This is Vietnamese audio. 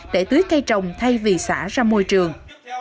để tưới cây trồng thay vì xả ra môi trường